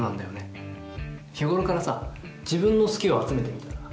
日頃からさ自分の好きを集めてみたら？